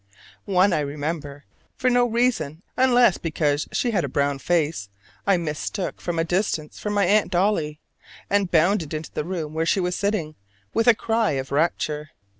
One, I remember, for no reason unless because she had a brown face, I mistook from a distance for my Aunt Dolly, and bounded into the room where she was sitting, with a cry of rapture.